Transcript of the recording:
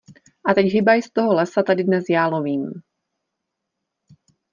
A teď hybaj z toho lesa, tady dnes já lovím!